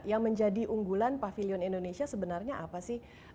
yang menjadi unggulan pavilion indonesia sebenarnya apa sih